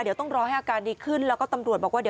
เดี๋ยวต้องรอให้อาการดีขึ้นแล้วก็ตำรวจบอกว่าเดี๋ยว